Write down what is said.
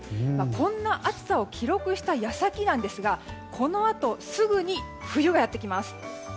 こんな暑さを記録した矢先なんですがこのあとすぐに冬がやってきます。